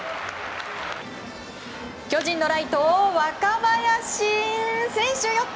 巨人のライト、若林選手。